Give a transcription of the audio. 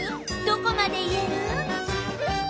どこまで言える？